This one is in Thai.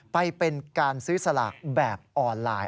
ไปเป็นการซื้อสลากแบบออนไลน์